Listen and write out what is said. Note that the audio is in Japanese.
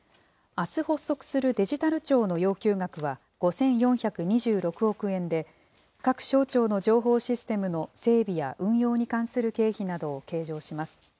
あす発足するデジタル庁の要求額は、５４２６億円で、各省庁の情報システムの整備や運用に関する経費などを計上します。